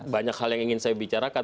banyak hal yang ingin saya bicarakan